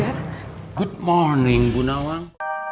selamat pagi bu nawang